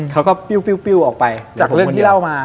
เขาก็ปิ้วออกไปจากเรื่องที่เล่ามา